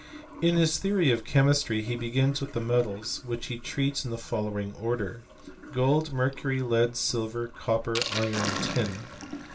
. In his theory of chemistry he begins with the metals, which he treats of in the following order : Gold, mercury, lead, silver, copper, iron, tin.